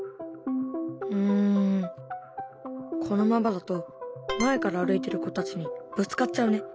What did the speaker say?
うんこのままだと前から歩いてる子たちにぶつかっちゃうね。